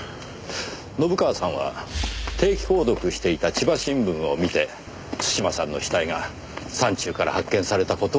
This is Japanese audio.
信川さんは定期購読していた千葉新聞を見て津島さんの死体が山中から発見された事を知りました。